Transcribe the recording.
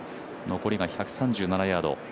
残りは１３７ヤード。